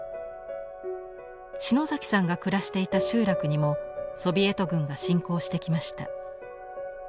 篠崎さんが暮らしていた集落にもソビエト軍が侵攻してきました。